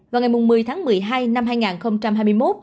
vào ngày một mươi tháng một mươi hai năm hai nghìn hai mươi một